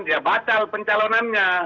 dia batal pencalonannya